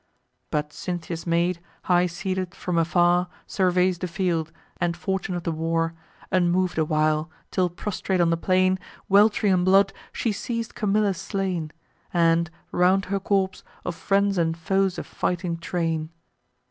But Cynthia's maid, high seated, from afar Surveys the field, and fortune of the war, Unmov'd a while, till, prostrate on the plain, Welt'ring in blood, she sees Camilla slain, And, round her corpse, of friends and foes a fighting train.